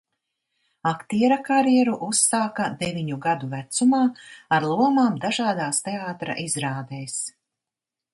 Aktiera karjeru uzsāka deviņu gadu vecumā ar lomām dažādās teātra izrādēs.